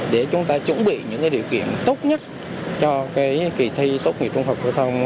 để chúng ta chuẩn bị những điều kiện tốt nhất cho cái kỳ thi tốt nghiệp trung học phổ thông diễn ra